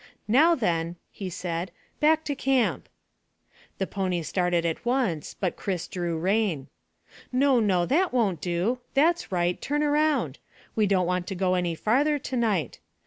"Now then," he said, "back to camp." The pony started at once, but Chris drew rein. "No, no; that won't do. That's right, turn round. We don't want to go any farther to night.